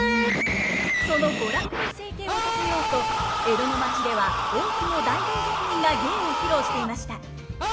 その娯楽で生計を立てようと江戸の町では多くの大道芸人が芸を披露していました！